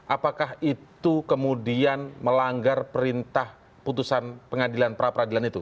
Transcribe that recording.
apakah itu kemudian melanggar perintah putusan pengadilan pra peradilan itu